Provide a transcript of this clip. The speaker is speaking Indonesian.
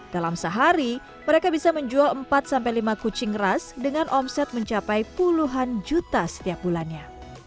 dalam sehari mereka bisa menjual empat sampai lima kucing ras dengan omset mencapai puluhan juta setiap bulannya